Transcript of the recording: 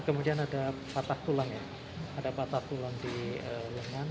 kemudian ada patah tulang di lengan